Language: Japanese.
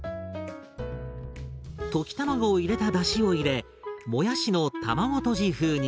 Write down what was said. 溶き卵を入れただしを入れもやしの卵とじ風に。